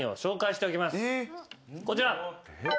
こちら。